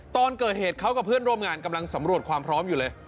ตอนเกิดเหตุเขากับเพื่อนร่วมงานกำลังสำรวจความพร้อมอยู่เลย